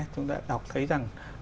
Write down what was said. chúng ta đọc thấy rằng